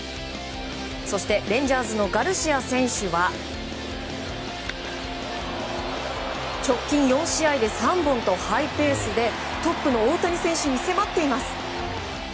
そしてレンジャーズのガルシア選手は直近４試合で３本とハイペースでトップの大谷選手に迫っています。